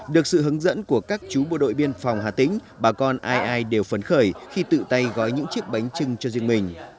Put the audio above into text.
được sự hướng dẫn của các chú bộ đội biên phòng hà tĩnh bà con ai ai đều phấn khởi khi tự tay gói những chiếc bánh trưng cho riêng mình